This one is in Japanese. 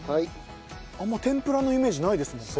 あんま天ぷらのイメージないですもんね。